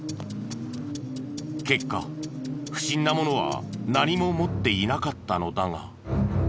結果不審なものは何も持っていなかったのだが。